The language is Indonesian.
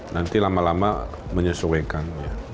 nanti lama lama menyesuaikan